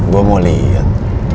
gua mau liat